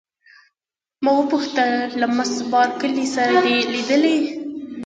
ما وپوښتل: له مس بارکلي سره دي لیدلي؟